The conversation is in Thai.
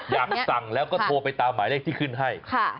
อยากสั่งแล้วก็โทรไปตามหมายเลขที่ขึ้นให้